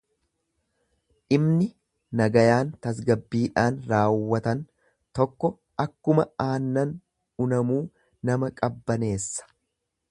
Dhimni nagayaan tasgabbiidhaan raawwatan tokko akkuma aannan unamuu nama qabbaneessa.